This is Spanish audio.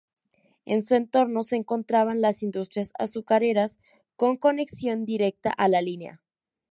En su entorno se encontraban las industrias azucareras con conexión directa a la línea.